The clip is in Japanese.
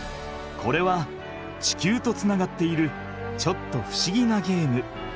これは地球とつながっているちょっとふしぎなゲーム。